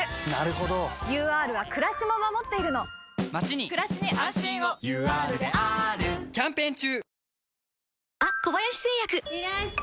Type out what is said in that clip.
ＵＲはくらしも守っているのまちにくらしに安心をＵＲであーるキャンペーン中！